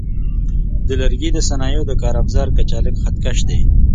د لرګي د صنایعو د کار افزار کچالک خط کش دی.